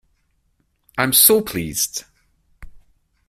I'm so pleased.